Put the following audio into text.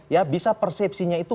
ya bisa persepsinya itu